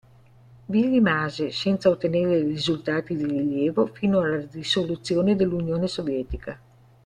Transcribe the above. Vi rimase, senza ottenere risultati di rilievo, fino alla dissoluzione dell'Unione Sovietica.